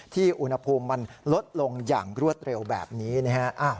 อุณหภูมิมันลดลงอย่างรวดเร็วแบบนี้นะฮะ